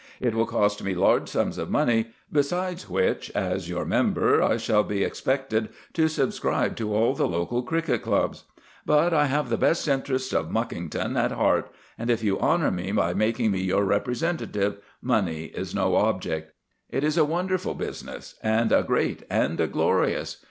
It will cost me large sums of money; besides which, as your member, I shall be expected to subscribe to all the local cricket clubs. But I have the best interests of Muckington at heart; and, if you honour me by making me your representative, money is no object." It is a wonderful business, and a great and a glorious.